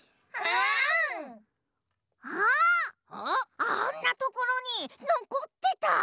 あんなところにのこってた！